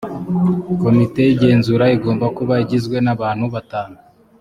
komite y’igenzura igomba kuba igizwe n abantu batanu